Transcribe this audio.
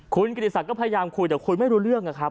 คุณกิติศักดิ์พยายามคุยแต่คุยไม่รู้เรื่องนะครับ